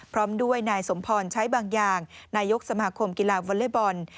พร้อมด้วยนายสมพรใช้บางอย่างนายกสมาคมกีฬาวอเล็กบอล